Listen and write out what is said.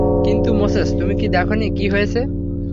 কিন্তু মোসেস, তুমি কি দেখোনি কী হয়েছে?